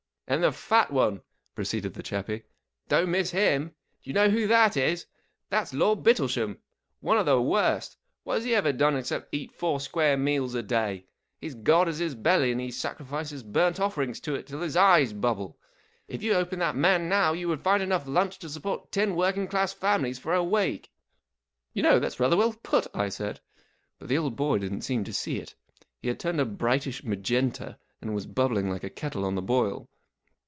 " And the fat one !" proceeded the chappie. 44 Don't miss him. Do you know who that is ? That's Lord Bittlesham ! One of the worst. What has he ever done except eat four square meals a day ? His god is his belly, and he sacrifices burnt offerings to it till his eyes bubble. If you opened that man now you would find enough lunch to support ten working class families for a week." 44 You know, that's rather well put," I said, but the old boy didn't seem to see it. He had turned a brightish magenta and was bubbling like a kettle on the boil.